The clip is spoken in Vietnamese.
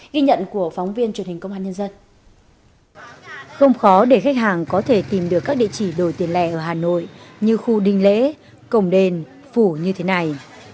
không khó để khách hàng có thể tìm được các địa chỉ đổi tiền lẻ ở hà nội như khu đinh lễ cổng đền phủ như thế này